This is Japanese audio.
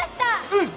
うん！